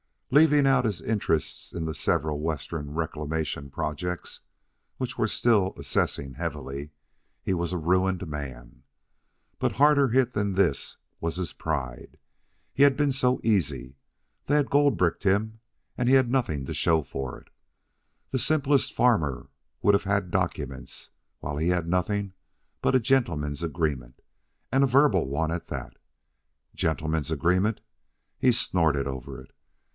Leaving out his interests in the several Western reclamation projects (which were still assessing heavily), he was a ruined man. But harder hit than this was his pride. He had been so easy. They had gold bricked him, and he had nothing to show for it. The simplest farmer would have had documents, while he had nothing but a gentleman's agreement, and a verbal one at that. Gentleman's agreement. He snorted over it.